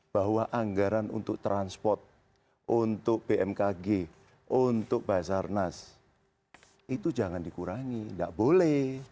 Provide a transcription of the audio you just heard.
bahwa anggaran untuk transport untuk bmkg untuk basarnas itu jangan dikurangi tidak boleh